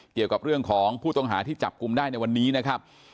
เกี่ยวกับเรื่องของผู้ต้องหาที่จับกลุ่มได้ในวันนี้นะครับ